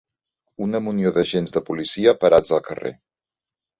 Una munió d'agents de policia parats al carrer.